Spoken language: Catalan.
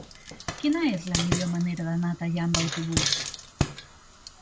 Quina és la millor manera d'anar a Teià amb autobús?